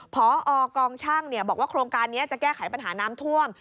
พอกองช่างบอกว่าโครงการนี้จะแก้ไขปัญหาน้ำท่วม